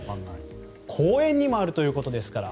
公園にもあるということですから。